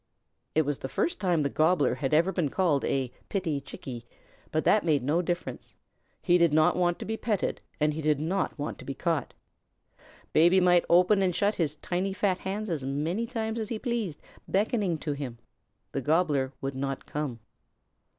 It was the first time the Gobbler had ever been been called a "pitty Chickie," but that made no difference. He did not want to be petted and he did not want to be caught. Baby might open and shut his tiny fat hands as many times as he pleased, beckoning to him. The Gobbler would not come.